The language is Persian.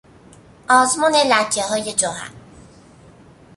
آزمون لکههای جوهر